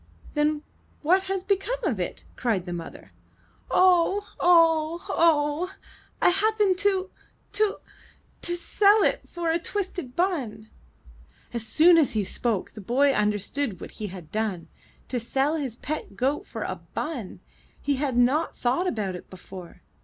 "Then, what has become of it?" cried the mother. "Oh — oh — oh! I happened to — to — to sell it for a twisted bun!" 362 IN THE NURSERY As soon as he spoke, the boy understood what he had done, to sell his pet goat for a bun; he had not thought about it before.